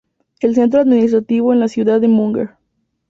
El centro administrativo es la ciudad de Munger.